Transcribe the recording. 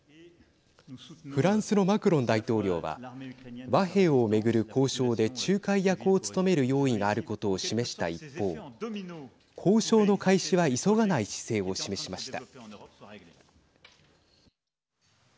フランスのマクロン大統領は和平を巡る交渉で仲介役を務める用意があることを示した一方交渉の開始は急がない姿勢を示しました。